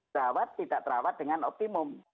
terawat tidak terawat dengan optimum